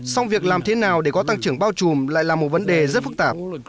song việc làm thế nào để có tăng trưởng bao trùm lại là một vấn đề rất phức tạp